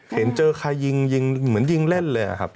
เห็นเจอใครยิงยิงเหมือนยิงเล่นเลยครับ